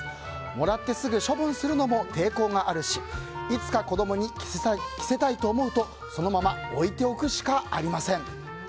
もらってすぐ処分するのも抵抗があるしいつか子供に着せたいと思うとそのまま置いておくしかありません。